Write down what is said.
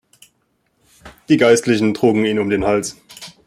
Die Geistlichen trugen ihn um den Hals.